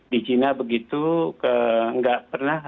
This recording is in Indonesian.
di china begitu ke